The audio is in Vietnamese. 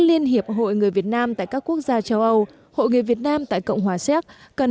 liên hiệp hội người việt nam tại các quốc gia châu âu hội người việt nam tại cộng hòa xéc cần